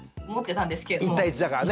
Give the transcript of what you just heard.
１対１だからね。